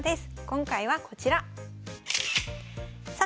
今回はこちら。